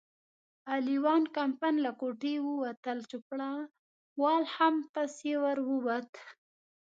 اغلې وان کمپن له کوټې ووتل، چوپړوال هم پسې ور ووت.